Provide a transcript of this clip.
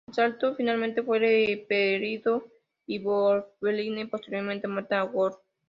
El asalto finalmente fue repelido, y Wolverine posteriormente mata a Gorgon.